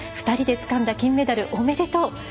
２人でつかんだ金メダルおめでとう。